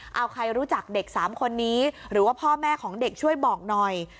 เอาใครรู้จักเด็ก๓คนนี้หรือว่าพ่อแม่ของเด็กช่วยบอกหน่อย